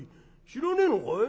「知らねえのかい？